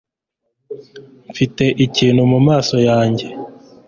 Mfite ikintu mumaso yanjye